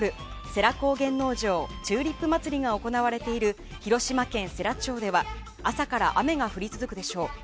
世羅高原農場チューリップ祭が行われている広島県世羅町では朝から雨が降り続くでしょう。